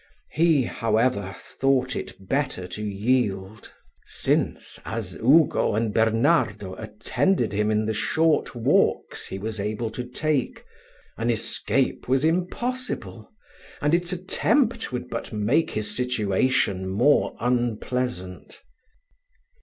He, however, thought it better to yield, since, as Ugo and Bernardo attended him in the short walks he was able to take, an escape was impossible, and its attempt would but make his situation more unpleasant.